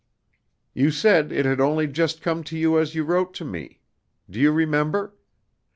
You said it had only just come to you as you wrote to me. Do you remember?